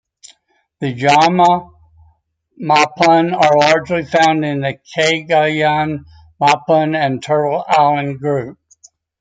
The Jama Mapun are largely found in the Cagayan Mapun and Turtle Island Group.